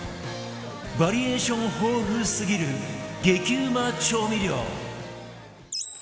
バリエーション豊富すぎる激うま調味料